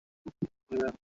তিনি ছাড়া আর কোন ইলাহ নেই?